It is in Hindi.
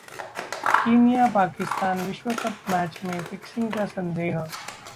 कीनिया-पाकिस्तान विश्व कप मैच में फिक्सिंग का संदेह